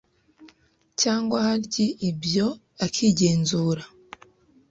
cyangwa haryi ibyo akigenzura